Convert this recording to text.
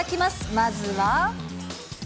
まずは。